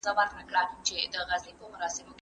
غوړ لرونکي خواړه د وزن زیاتوي.